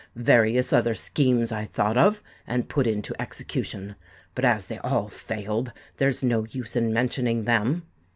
Various other schemes I thought of, and put into execution; but as they all failed, there's no use in mentioning them.